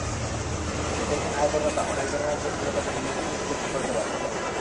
এতে একজন আয়করদাতা অনেক ধরনের জটিলতা তিনি নিজেই নিষ্পত্তি করতে পারবেন।